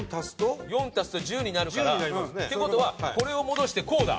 ４を足すと１０になるから。って事はこれを戻してこうだ！